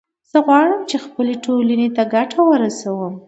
زه غواړم چې خپلې ټولنې ته ګټه ورسوم